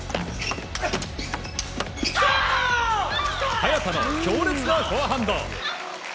早田の強烈なフォアハンド。